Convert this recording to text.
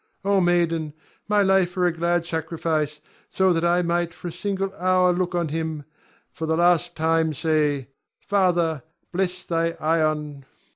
Ion. O maiden, my life were a glad sacrifice, so that I might for a single hour look on him, for the last time say, "My father, bless thy Ion."